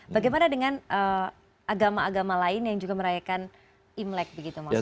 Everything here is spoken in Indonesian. bagaimana dengan agama agama lain yang juga merayakan imlek begitu maksudnya